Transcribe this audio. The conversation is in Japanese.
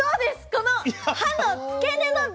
この葉の付け根の部分。